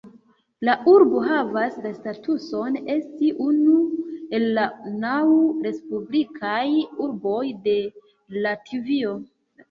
La urbo havas la statuson esti unu el la naŭ "respublikaj urboj de Latvio".